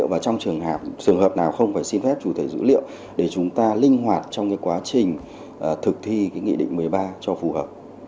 và trong trường hợp trường hợp nào không phải xin phép chủ thể dữ liệu để chúng ta linh hoạt trong quá trình thực thi nghị định một mươi ba cho phù hợp